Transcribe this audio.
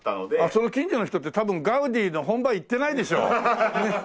その近所の人って多分ガウディの本場行ってないでしょ？